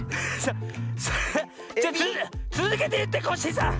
それつづけていってコッシーさん！